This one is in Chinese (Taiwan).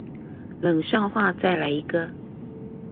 冷笑話再來一個